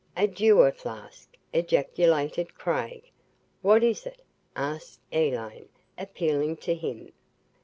"A Dewar flask!" ejaculated Craig. "What is it?" asked Elaine, appealing to him.